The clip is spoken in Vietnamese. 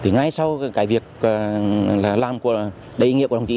ngay sau cái việc làm đầy ý nghĩa của đồng chí